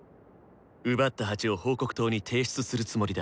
奪った鉢を報告筒に提出するつもりだ。